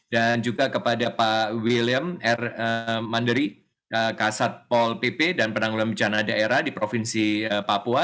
dan juga kepada pak william r mandery kasat pol pp dan penanggulam bincang daerah di provinsi papua